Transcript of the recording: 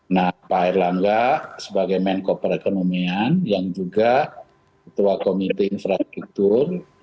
nah pak erlangga sebagai menko perekonomian yang juga ketua komite infrastruktur